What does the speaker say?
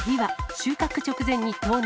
収穫直前に盗難。